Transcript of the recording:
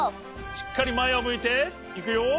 しっかりまえをむいていくよ。